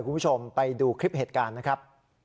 คุณผู้ชมไปดูคลิปเหตุการณ์นะครับ